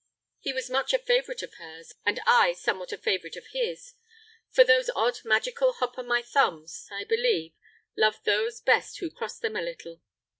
He was much a favourite of hers, and I somewhat a favourite of his; for those odd magical hop o' my thumbs, I believe, love those best who cross them a little.